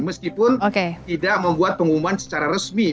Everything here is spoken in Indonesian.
meskipun tidak membuat pengumuman secara resmi